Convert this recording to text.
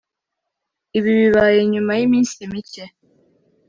Ibi bibaye nyuma y’iminsi micye